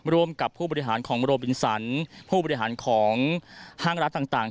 ร่วมกับผู้บริหารของโรบินสันผู้บริหารของห้างรัฐต่าง